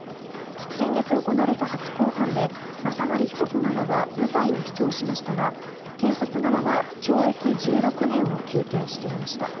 先月行われた初公判で雅則被告側は無罪を主張しましたが検察側は懲役１６年を求刑していました。